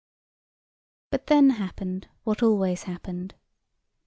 But then happened what always happened.